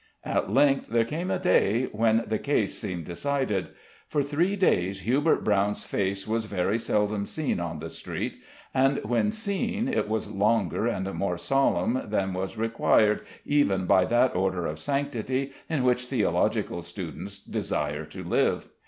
At length there came a day when the case seemed decided. For three days Hubert Brown's face was very seldom seen on the street, and when seen it was longer and more solemn than was required even by that order of sanctity in which theological students desire to live.